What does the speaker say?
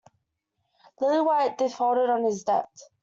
Lillywhite defaulted on his debt.